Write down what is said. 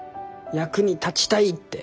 「役に立ちたい」って。